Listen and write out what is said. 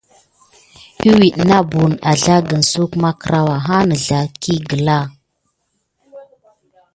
Iwid na buhən azlagən suwek makkrawa ha nəsserik kiné aglawa.